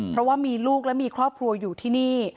เพราะว่ามีลูกและมีครอบครัวอยู่ที่นี่